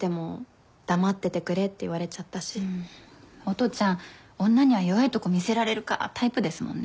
音ちゃん女には弱いとこ見せられるかタイプですもんね。